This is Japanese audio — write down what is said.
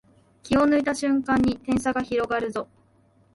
気を抜いた瞬間に点差が広がるぞ